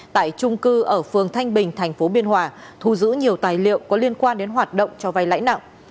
tại trung cư ở phường thanh bình tp biên hòa thu giữ nhiều tài liệu có liên quan đến hoạt động cho vay lãi nặng